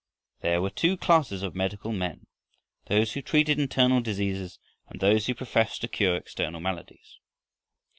There were two classes of medical men; those who treated internal diseases and those who professed to cure external maladies.